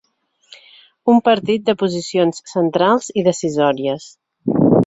Un partit de posicions centrals i decisòries.